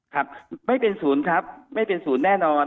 ครับไม่เป็นศูนย์ครับไม่เป็นศูนย์แน่นอน